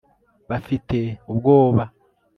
bafite ubwoba